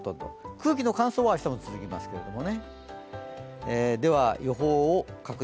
空気の乾燥は明日も続きますけどね。